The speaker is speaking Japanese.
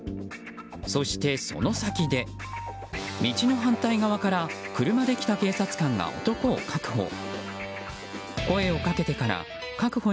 そしてその先で、道の反対側から車で来た警察官が男を確保。